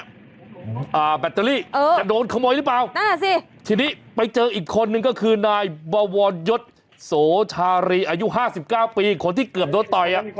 อ่าแบตเตอรี่จะโดนขโมยหรือเปล่าทีนี้ไปเจออีกคนนึงก็คือนายบวรยศโศชาลีอายุ๕๙ปีคนที่เกือบโดดต่อย